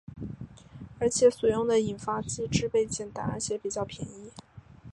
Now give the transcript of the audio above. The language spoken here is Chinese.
而且所用的引发剂制备简单而且比较便宜。